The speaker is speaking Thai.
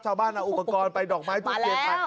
ชาวบ้านเอาอุกันไปดอกไม้ปกเกงทัน